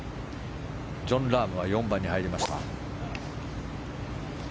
ジョン・ラームは４番に入りました。